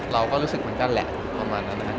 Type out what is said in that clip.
เราก็รู้สึกเหมือนกันแหละประมาณนั้นนะครับ